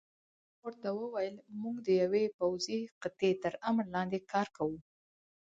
ما ورته وویل: موږ د یوې پوځي قطعې تر امر لاندې کار کوو.